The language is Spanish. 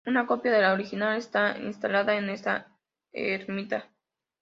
Una copia de la original está instalada en esta ermita.